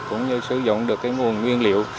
cũng như sử dụng được cái nguồn nguyên liệu